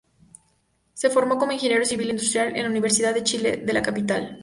Se formó como ingeniero civil industrial en la Universidad de Chile de la capital.